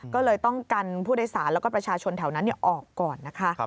ก็เลยต้องกันผู้โดยสารแล้วก็ประชาชนแถวนั้นออกก่อนนะคะ